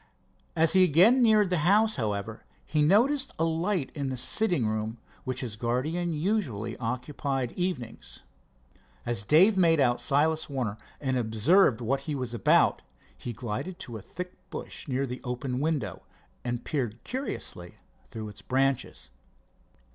As he again neared the house, however, he noticed a light in the sitting room which his guardian usually occupied evenings. As Dave made out Silas Warner and observed what he was about, he glided to a thick bush near the open window and peered curiously through its branches.